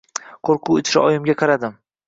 Qo‘rquv ichida oyimga qaradim.